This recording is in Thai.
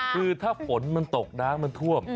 คือถ้าฝนมันตกน้ำมันท่วม